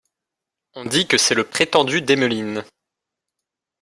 On dit que c’est le prétendu d’Emmeline.